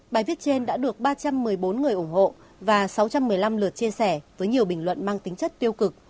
bài viết trên đã được ba trăm một mươi bốn người ủng hộ và sáu trăm một mươi năm lượt chia sẻ với nhiều bình luận mang tính chất tiêu cực